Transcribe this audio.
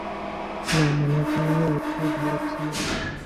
না, মনে হচ্ছে না এর থেকে ভালো কিছু হবে।